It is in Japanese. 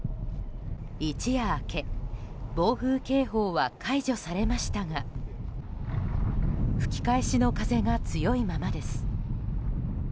一夜明け暴風警報は解除されましたが吹き返しの風が強いままです。